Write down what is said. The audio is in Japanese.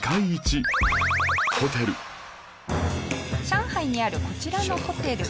上海にあるこちらのホテル。